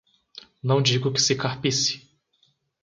Não digo que se carpisse